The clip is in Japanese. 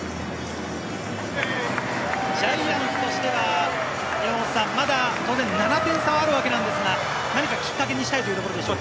ジャイアンツとしてはまだ当然７点差はあるわけなんですが、何かきっかけにしたいところですね。